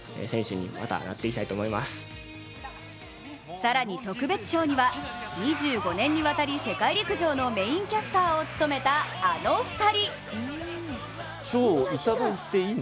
更に特別賞には、２５年にわたり世界陸上のメインキャスターを務めたあの２人。